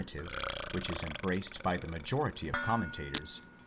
tive, which is embraced by the majority of commentators